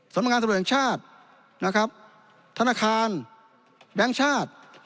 สรรพงานสถานการณ์ชาตินะครับธนาคารแบงก์ชาติ